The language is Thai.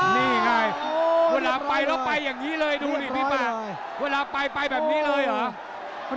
นี่ไงเวลาไปแล้วไปอย่างนี้เลยดูดิพี่ป่าเวลาไปไปแบบนี้เลยเหรอ